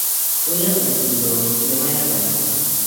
ᱩᱱᱤᱭᱟᱜ ᱧᱩᱛᱩᱢ ᱫᱚ ᱠᱮᱢᱟᱭᱟ ᱠᱟᱱᱟ᱾